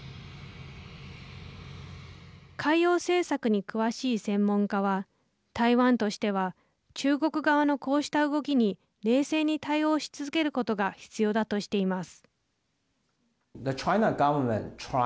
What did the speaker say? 海洋政策に詳しい専門家は台湾としては中国側のこうした動きに冷静に対応し続けることが必要だとしています。